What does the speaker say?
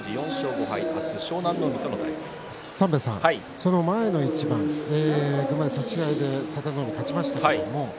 その前の一番差し違えで佐田の海が勝ちました。